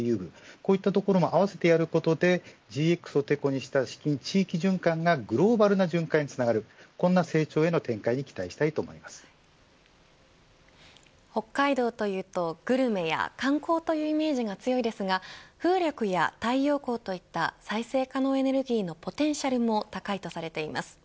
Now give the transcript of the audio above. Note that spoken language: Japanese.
こういったことも併せてやることでＧＸをテコにした地域循環がグローバルな循環につながるこんな成長への展開に北海道というとグルメや観光というイメージが強いですが風力や太陽光といった再生可能エネルギーのポテンシャルも高いとされています。